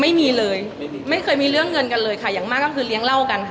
ไม่มีเลยไม่เคยมีเรื่องเงินกันเลยค่ะอย่างมากก็คือเลี้ยงเหล้ากันค่ะ